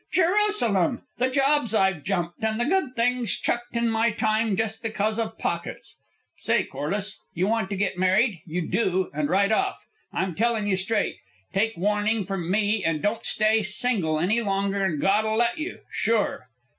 Jerusalem! the jobs I've jumped and the good things chucked in my time, just because of pockets! Say, Corliss, you want to get married, you do, and right off. I'm tellin' you straight. Take warnin' from me and don't stay single any longer than God'll let you, sure!"